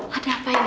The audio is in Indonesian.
ada apa ini